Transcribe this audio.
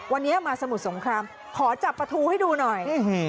วันนี้มาสมุทรสงครามขอจับประทูให้ดูหน่อย